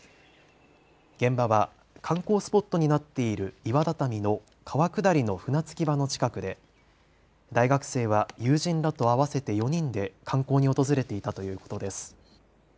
現場は観光スポットになっている岩畳の川下りの船着き場の近くで大学生は友人らと合わせて４人で観光に訪れていたということです。